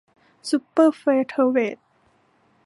ซูเปอร์เฟเธอร์เวท